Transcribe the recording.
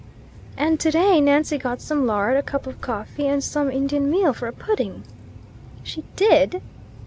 "And to day Nancy got some lard, a cup of coffee, and some Indian meal for a pudding." "She did?"